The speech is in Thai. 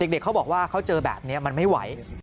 เขาบอกว่าเขาเจอแบบนี้มันไม่ไหว